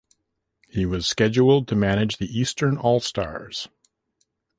He was scheduled to manage the Eastern All-Stars.